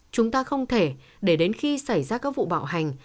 chúng ta không thể để đến khi xảy ra các vụ bạo hành